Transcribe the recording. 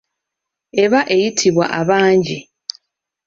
Eba eyitibwa abangi.